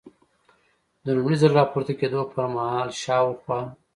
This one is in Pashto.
د لومړي ځل را پورته کېدو پر مهال شاوخوا.